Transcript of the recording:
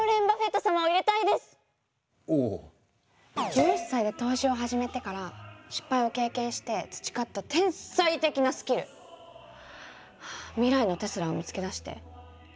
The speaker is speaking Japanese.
１１歳で投資を始めてから失敗を経験して培った天才的なスキル！はあ未来のテスラを見つけ出して有り金全部つぎ込んでやりますよ！